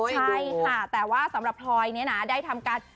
ใช่ค่ะแต่ว่าสำหรับพลอยเนี่ยนะได้ทำการ